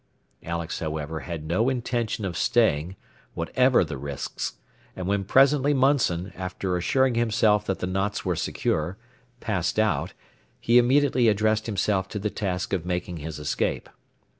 Alex, however, had no intention of staying, whatever the risks, and when presently Munson, after assuring himself that the knots were secure, passed out, he immediately addressed himself to the task of making his escape.